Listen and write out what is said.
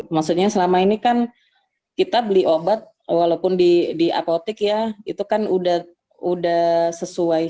maksudnya selama ini kan kita beli obat walaupun di apotik ya itu kan udah sesuai